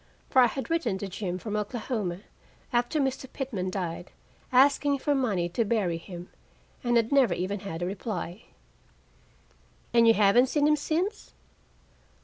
For I had written to Jim from Oklahoma, after Mr. Pitman died, asking for money to bury him, and had never even had a reply. "And you haven't seen him since?"